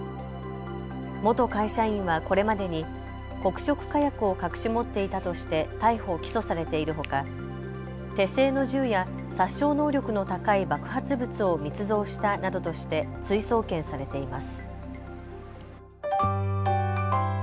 元会社員はこれまでに黒色火薬を隠し持っていたとして逮捕・起訴されているほか手製の銃や殺傷能力の高い爆発物を密造したなどとして追送検されています。